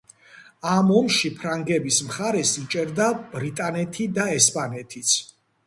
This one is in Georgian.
ამ ომში ფრანგების მხარეს იჭერდა ბრიტანეთი და ესპანეთიც.